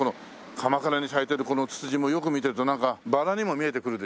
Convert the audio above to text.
鎌倉に咲いてるこのツツジもよく見てるとなんかバラにも見えてくるでしょう？